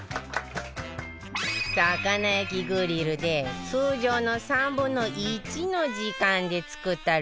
魚焼きグリルで通常の３分の１の時間で作ったローストビーフ